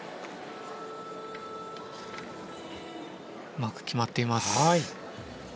うまく決まっています。